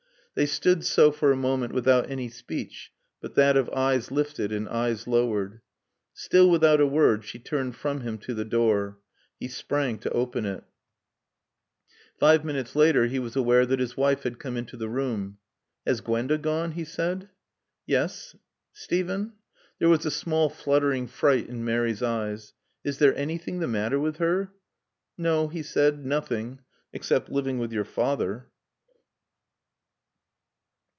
They stood so for a moment without any speech but that of eyes lifted and eyes lowered. Still without a word, she turned from him to the door. He sprang to open it. Five minutes later he was aware that his wife had come into the room. "Has Gwenda gone?" he said. "Yes. Steven " There was a small, fluttering fright in Mary's eyes. "Is there anything the matter with her?" "No," he said. "Nothing. Except living with your father."